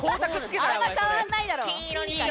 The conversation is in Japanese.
あんま変わらないだろ！